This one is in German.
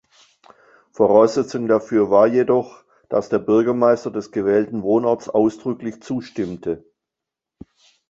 Voraussetzung dafür war jedoch, dass der Bürgermeister des gewählten Wohnorts ausdrücklich zustimmte.